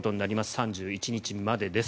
３１日までです。